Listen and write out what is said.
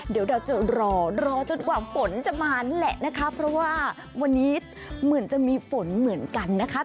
เดี๋ยวเราจะรอรอจนกว่าฝนจะมานั่นแหละนะคะเพราะว่าวันนี้เหมือนจะมีฝนเหมือนกันนะคะ